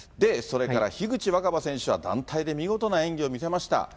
それから樋口新葉選手は団体で見事な演技を見せました。